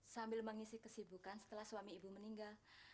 sambil mengisi kesibukan setelah suami ibu meninggal